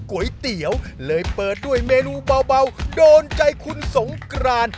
ก๋วยเตี๋ยวเลยเปิดด้วยเมนูเบาโดนใจคุณสงกราน